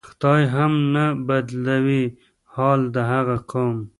"خدای هم نه بدلوي حال د هغه قوم".